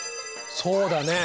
そうだね。